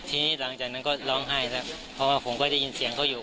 หลังจากนั้นก็ร้องไห้แล้วเพราะว่าผมก็ได้ยินเสียงเขาอยู่